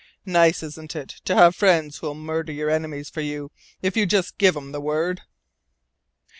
Nice, isn't it to have friends who'll murder your enemies for you if you just give 'em the word?"